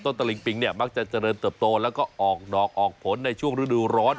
ตะลิงปิงเนี่ยมักจะเจริญเติบโตแล้วก็ออกดอกออกผลในช่วงฤดูร้อน